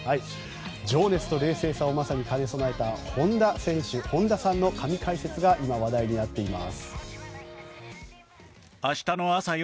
情熱と冷静さを兼ね備えた本田さんの神解説が話題になっています。